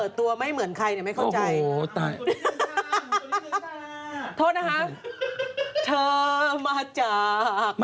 จากธนาคารกรุงเทพฯ